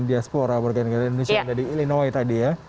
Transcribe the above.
diaspora warga negara indonesia yang ada di illinois tadi ya